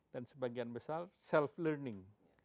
sebagian besar self learning